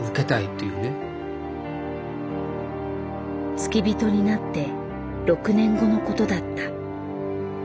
付き人になって６年後のことだった。